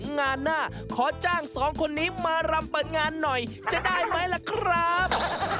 งานหน้าขอจ้างสองคนนี้มารำเปิดงานหน่อยจะได้ไหมล่ะครับ